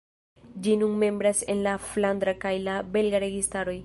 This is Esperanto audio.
Ĝi nun membras en la flandra kaj la belga registaroj.